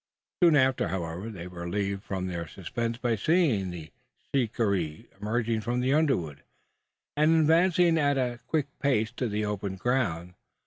Soon after, however, they were relieved from their suspense, by seeing the shikaree emerging from the underwood, and advancing at a quick pace to the open ground.